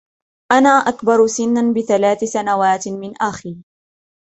أنا أكبر سنّا بثلاث سنوات من أخي.